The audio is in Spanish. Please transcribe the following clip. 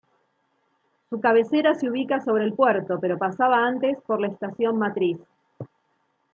Su cabecera se ubicaba sobre el puerto, pero pasaba antes por la estación matriz.